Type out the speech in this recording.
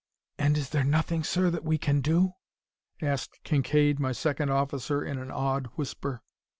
"And is there nothing, sir, that we can do?" asked Kincaide, my second officer, in an awed whisper.